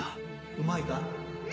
うまいか？